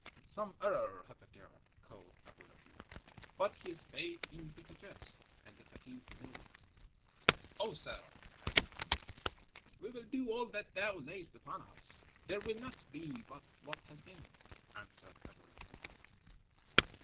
"Some error hath occurred," quoth Aboo Rawain; but he spake in bitter jest, and the fakeeh knew it. "O sir," cried he, "we will do all that thou layest upon us." "There will not be but what has been," answered Aboo Rawain.